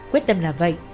quyết tâm là vậy